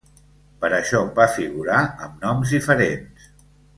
Per això va figurar amb noms diferents.